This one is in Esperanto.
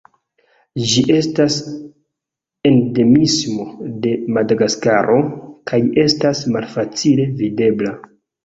Ĝi estas endemismo de Madagaskaro, kaj estas malfacile videbla.